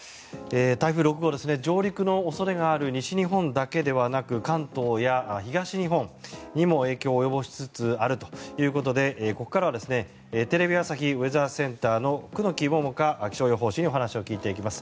台風６号ですが上陸の恐れがある西日本だけではなく関東や東日本にも影響を及ぼしつつあるということでここからはテレビ朝日ウェザーセンターの久能木百香気象予報士にお話を聞いていきます。